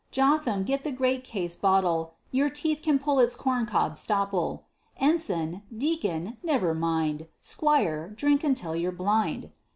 Jotham, get the great case bottle, Your teeth can pull its corn cob stopple. Ensign, Deacon, never mind; 'Squire, drink until you're blind.